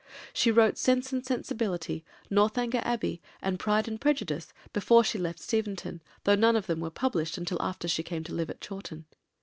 She wrote Sense and Sensibility, Northanger Abbey, and Pride and Prejudice before she left Steventon, though none of them were published till after she came to live at Chawton.